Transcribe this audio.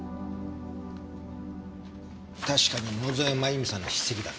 確かに野添真由美さんの筆跡だった。